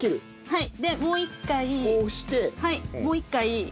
はい！